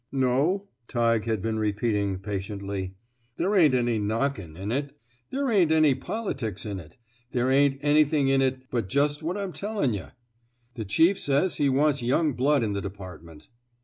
'* No," Tighe had been repeating patiently, '* there ain't any knoekin' in it. There ain't any politics in it. There ain't anything in it but just what I'm tellin' yuh. The chief says he wants young blood in the department.